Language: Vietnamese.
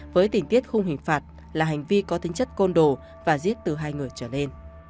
với tình tiết không hình phạt là hành vi có tính chất côn đồ và giết từ hai người trở lên